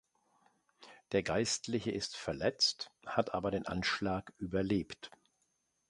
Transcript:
Der Geistliche ist verletzt, hat aber den Anschlag überlebt.